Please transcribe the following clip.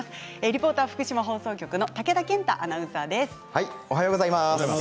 リポーターは福島放送局の武田健太アナウンサーです。